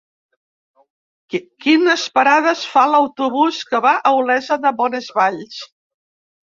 Quines parades fa l'autobús que va a Olesa de Bonesvalls?